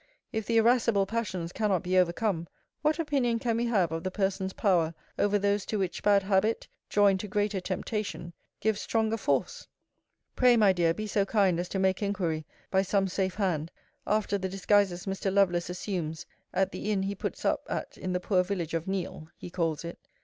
If the irascible passions cannot be overcome, what opinion can we have of the person's power over those to which bad habit, joined to greater temptation, gives stronger force? Pray, my dear, be so kind as to make inquiry, by some safe hand, after the disguises Mr. Lovelace assumes at the inn he puts up at in the poor village of Neale, he calls it.